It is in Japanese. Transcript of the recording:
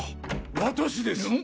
私です。